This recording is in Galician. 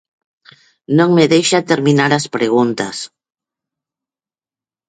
Non me deixa terminar as preguntas.